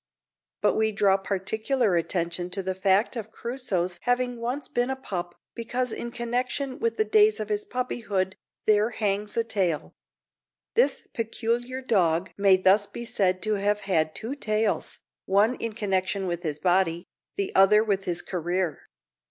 But we draw particular attention to the fact of Crusoe's having once been a pup, because in connection with the days of his puppyhood there hangs a tale. This peculiar dog may thus be said to have had two tails one in connection with his body, the other with his career.